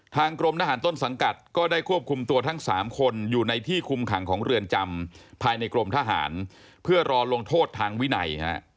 กรมทหารต้นสังกัดก็ได้ควบคุมตัวทั้ง๓คนอยู่ในที่คุมขังของเรือนจำภายในกรมทหารเพื่อรอลงโทษทางวินัย